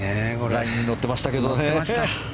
ラインに乗ってましたけどね。